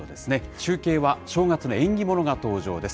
中継は正月の縁起物が登場です。